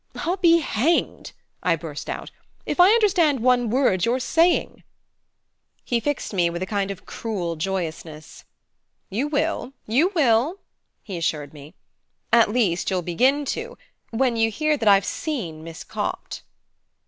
"I'll be hanged," I burst out, "if I understand one word you're saying!" He fixed me with a kind of cruel joyousness. "You will you will," he assured me; "at least you'll begin to, when you hear that I've seen Miss Copt."